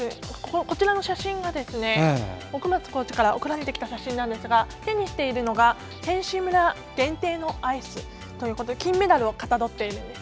こちらの写真が奥松コーチから送られてきた写真なんですが手にしているのが選手村限定のアイスということで金メダルをかたどっているんです。